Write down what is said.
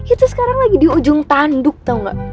itu sekarang lagi di ujung tanduk tau gak